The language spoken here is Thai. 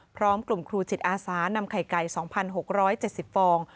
พร้อมกลุ่มครูจิตอาสานำไข่ไก่๒๖๗๐ฟอง